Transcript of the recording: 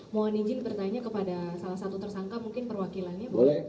mohon izin bertanya kepada salah satu tersangka mungkin perwakilannya